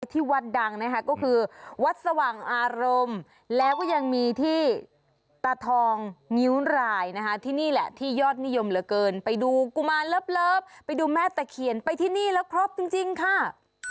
ที่วัดดังนะคะก็คือวัดสว่างอารมณ์แล้วก็ยังมีที่ตาทองงิ้วรายนะคะที่นี่แหละที่ยอดนิยมเหลือเกินไปดูกุมารเลิฟไปดูแม่ตะเคียนไปที่นี่แล้วครบจริงค่ะ